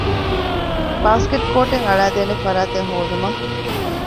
ބާސްކެޓް ކޯޓެއް އަޅައިދޭނެ ފަރާތެއް ހޯދުމަށް